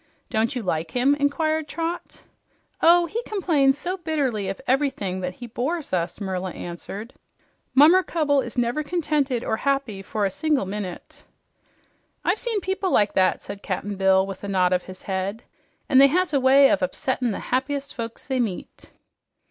"Don't you like him?" inquired Trot. "Oh, he complains so bitterly of everything that he bores us," Merla answered. "Mummercubble is never contented or happy for a single minute." "I've seen people like that," said Cap'n Bill with a nod of his head. "An' they has a way of upsettin' the happiest folks they meet."